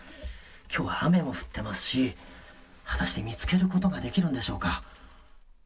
きょうは雨も降っていますし果たして見つけることができるんでしょうか。